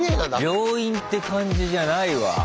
病院って感じじゃないわ。